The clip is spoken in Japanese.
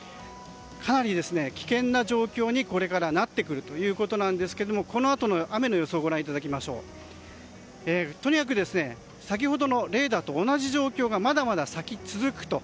かなり危険な状況にこれからなってくるということでこのあとの雨の予想をご覧いただきますととにかく先ほどのレーダーと同じ状況がまだまだ先に続くと。